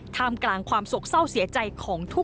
ท่ามกลางความโศกเศร้าเสียใจของทุก